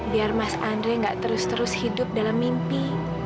biar mas andre nggak terus terus hidup dalam mimpi